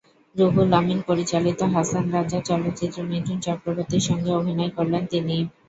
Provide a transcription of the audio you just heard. রুহুল আমীন পরিচালিত হাসান রাজা চলচ্চিত্রে মিঠুন চক্রবর্তীর সঙ্গে অভিনয় করলেন তিনি।